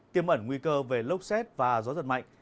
tiêm ẩn nguy cơ về lốc xét và gió giật mạnh